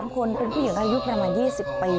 ๒๓คนเป็นผู้หญิงอายุประมาณ๒๐ปีเนี่ยค่ะ